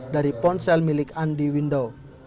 dari ponsel milik andi window